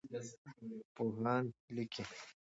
پوهان لیکي.